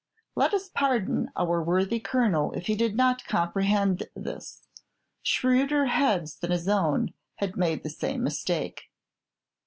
Let us pardon our worthy Colonel if he did not comprehend this; shrewder heads than his own had made the same mistake.